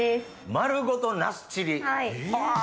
丸ごとナスチリはぁ。